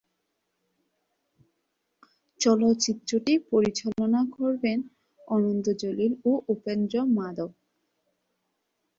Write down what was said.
চলচ্চিত্রটি পরিচালনা করবেন অনন্ত জলিল ও উপেন্দ্র মাধব।